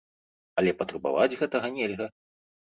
Але патрабаваць гэтага нельга.